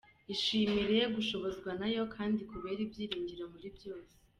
Ishimire gushobozwa na yo kandi ikubere ibyiringiro muri byose!.